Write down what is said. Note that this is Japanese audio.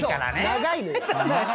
長い。